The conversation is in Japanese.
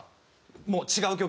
もう違う曲。